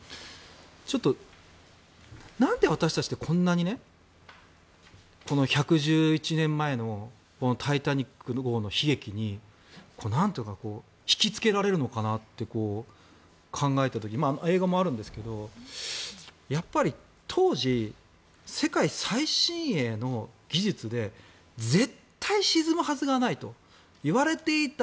ちょっとなんで私たちってこんなに、この１１１年前の「タイタニック号」の悲劇に引きつけられるのかなって考えた時に映画もあるんですがやっぱり当時世界最新鋭の技術で絶対沈むはずがないといわれていた